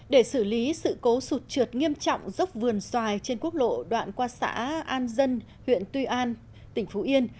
để xử lý sự cố sụt trượt nghiêm trọng dốc vườn xoài trên quốc lộ đoạn qua xã an dân huyện tuy an tỉnh phú yên